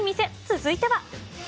続いては。